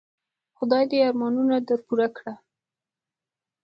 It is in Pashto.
خدای دي ارمانونه در پوره کړه .